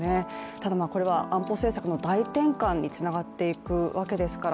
ただ、これは安保政策の大転換につながっていくわけですから